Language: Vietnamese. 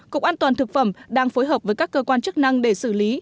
cục an toàn thực phẩm đang phối hợp với các cơ quan chức năng để xử lý